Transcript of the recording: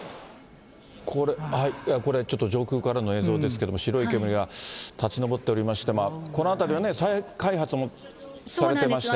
これ、ちょっと上空からの映像ですけれども、白い煙が立ち上っておりまして、この辺りは再開発もされてましてね。